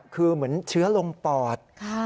คือเหมือนเชื้อลงปอด